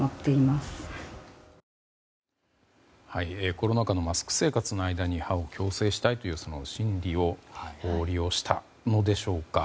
コロナ禍のマスク生活の間に歯を矯正したいという心理を利用したのでしょうか。